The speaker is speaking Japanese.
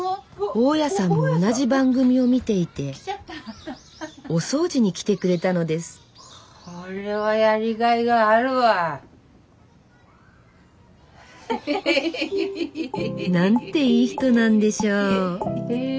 大家さんも同じ番組を見ていてお掃除に来てくれたのですこれはやりがいがあるわ。なんていい人なんでしょうへぇ